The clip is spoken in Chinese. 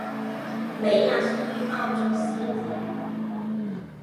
美亚生于澳洲悉尼。